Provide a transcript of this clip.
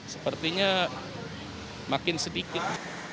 sepertinya makin sedikit